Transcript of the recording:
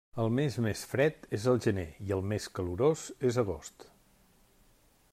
El mes més fred és el gener i el més calorós és agost.